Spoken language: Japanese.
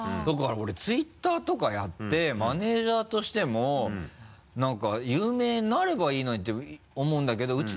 だから俺Ｔｗｉｔｔｅｒとかやってマネジャーとしても何か有名になればいいのにって思うんだけど。